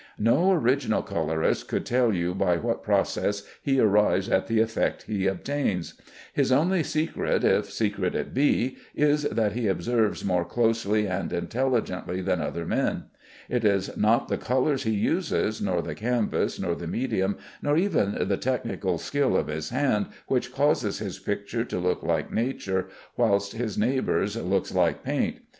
No original colorist could tell you by what process he arrives at the effects he obtains. His only secret (if secret it be) is that he observes more closely and intelligently than other men. It is not the colors he uses, nor the canvas, nor the medium, nor even the technical skill of his hand which cause his pictures to look like nature, whilst his neighbor's look like paint.